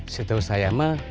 setahu saya mah